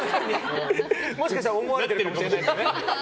もしかしたら思われてるかもしれないです。